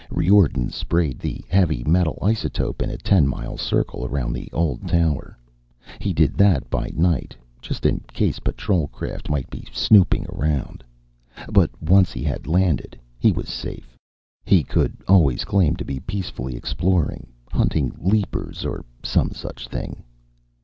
Riordan sprayed the heavy metal isotope in a ten mile circle around the old tower. He did that by night, just in case patrol craft might be snooping around. But once he had landed, he was safe he could always claim to be peacefully exploring, hunting leapers or some such thing.